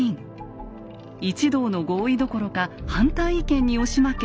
一同の合意どころか反対意見に押し負け